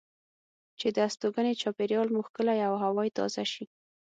چې د استوګنې چاپیریال مو ښکلی او هوا یې تازه شي.